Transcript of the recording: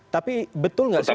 tapi betul nggak sih